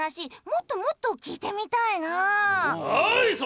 もっともっと聞いてみたいなあ！